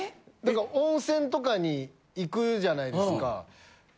温泉とかに行くじゃないですか。